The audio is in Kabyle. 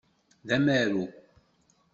D amaru.